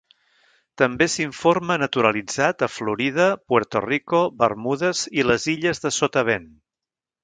També s'informa naturalitzat a Florida, Puerto Rico, Bermudes i les Illes de Sotavent.